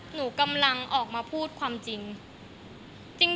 หนูกำลังออกมาพูดความจริง